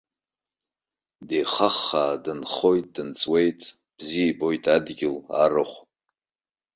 Деихаххаа дынхоит-дынҵуеит, бзиа ибоит адгьыл, арахә.